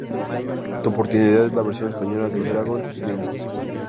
Tu oportunidad es la versión española de Dragons' Den.